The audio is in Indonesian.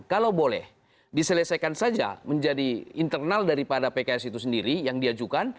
kalau boleh diselesaikan saja menjadi internal daripada pks itu sendiri yang diajukan